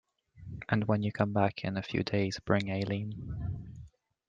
And when you come back in a few days, bring Eileen.